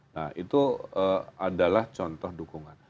nah itu adalah contoh dukungan